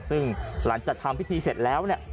ซึ่งหลังจากทำพิธีเสร็จแล้วเนี่ย